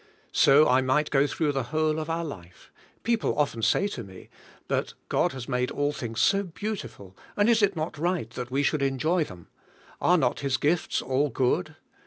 So I might go through the whole of our life. Peo ple often say to me; "But has God made all things so beautiful, and is it not right that we should enjoy them? Are not His gifts all good?"